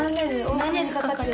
マヨネーズかかってる。